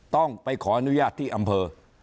ต้องไปขออนุญาตที่อำเภอ